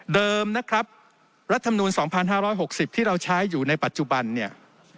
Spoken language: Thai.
เดิมนะครับรัฐมนูล๒๕๖๐ที่เราใช้อยู่ในปัจจุบันเนี่ย